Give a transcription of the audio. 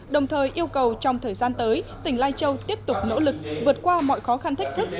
đồng thời yêu cầu trong thời gian tới tỉnh lai châu tiếp tục nỗ lực vượt qua mọi khó khăn thách thức